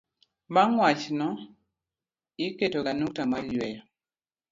bang' wach no, iketo ga nukta mar yueyo